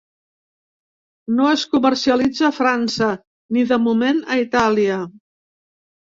No es comercialitza a França ni, de moment, a Itàlia.